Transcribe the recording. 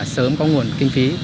sớm có nguồn kinh phí